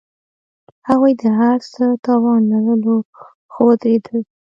هغوی د هر څه توان لرلو، خو ودریدل.